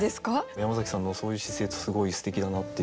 山崎さんのそういう姿勢ってすごいすてきだなって思いますね。